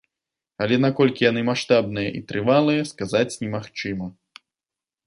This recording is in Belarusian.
Але наколькі яны маштабныя і трывалыя, сказаць немагчыма.